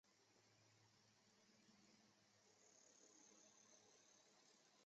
该镇另有一座大圣马利亚堂。